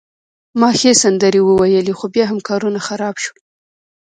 ما ښې سندرې وویلي، خو بیا هم کارونه خراب شول.